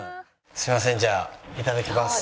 すみませんじゃあいただきます。